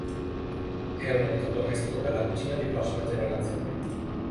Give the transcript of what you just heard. È un elettrodomestico per la cucina di prossima generazione.